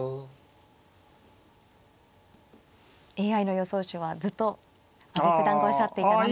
ＡＩの予想手はずっと阿部九段がおっしゃっていた７四。